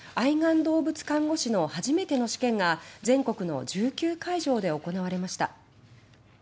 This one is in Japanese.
動物看護師の初めての試験が全国の１９会場で行われました。